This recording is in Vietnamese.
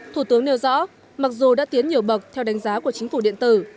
thủ tướng nêu rõ mặc dù đã tiến nhiều bậc theo đánh giá của chính phủ điện tử